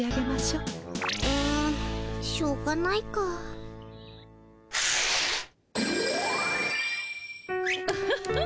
うんしょうがないか。ウフフッ。